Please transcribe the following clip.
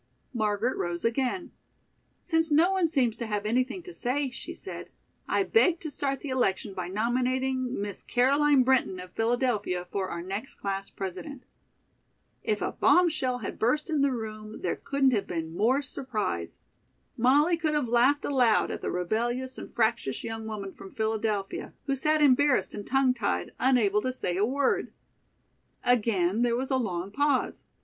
Margaret rose again. "Since no one seems to have anything to say," she said, "I beg to start the election by nominating Miss Caroline Brinton of Philadelphia for our next class president." If a bomb shell had burst in the room, there couldn't have been more surprise. Molly could have laughed aloud at the rebellious and fractious young woman from Philadelphia, who sat embarrassed and tongue tied, unable to say a word. Again there was a long pause.